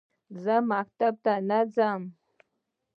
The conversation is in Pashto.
زه مکتب ته نه ځم